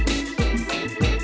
terima kasih bang